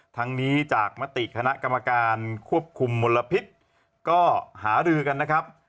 ทั้งนี้จากมติคณะกรรมการควบคุมมลพิษก็หารือกันนะครับ